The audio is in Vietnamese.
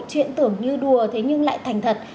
chuyện tưởng như đùa thế nhưng lại thành thật